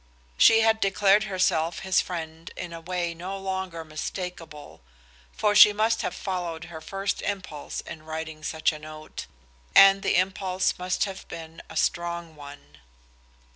She had declared herself his friend in a way no longer mistakable, for she must have followed her first impulse in writing such a note, and the impulse must have been a strong one.